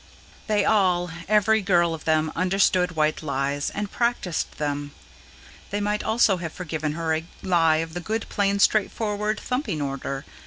They all, every girl of them, understood white lies, and practised them. They might also have forgiven her a lie of the good, plain, straightforward, thumping order.